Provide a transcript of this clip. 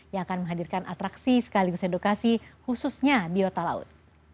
yang akan menghadirkan atraksi sekaligus edukasi khususnya di otolaut